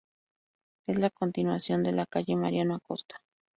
Es la continuación de la "Calle Mariano Acosta".